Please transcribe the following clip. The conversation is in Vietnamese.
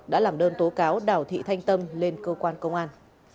đã làm đơn tố cáo đào thị thanh tâm lên cơ quan công an